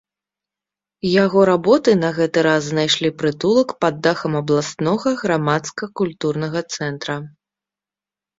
Яго работы на гэты раз знайшлі прытулак пад дахам абласнога грамадска-культурнага цэнтра.